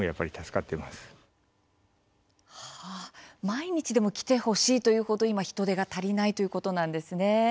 毎日でも来てほしいという程、今、人手が足りないということなんですね。